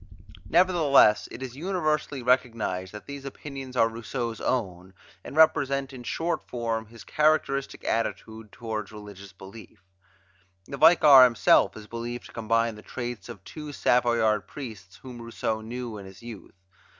Nevertheless, it is universally recognized that these opinions are Rousseau's own, and represent in short form his characteristic attitude toward religious belief. The Vicar himself is believed to combine the traits of two Savoyard priests whom Rousseau knew in his youth.